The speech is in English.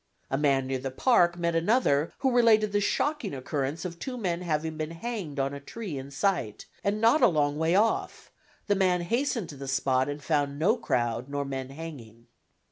A man near the Park met another who related the shocking occurrence of two men having been hanged on a tree in sight, and not a long way off; the man hastened to the spot and found no crowd, nor men hanging.